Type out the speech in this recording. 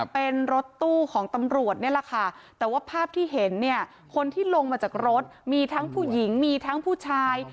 เป็นรถตู้ของตำรวจนี่แหละค่ะแต่ว่าภาพที่เห็นเนี่ยคนที่ลงมาจากรถมีทั้งผู้หญิงมีทั้งผู้ชาย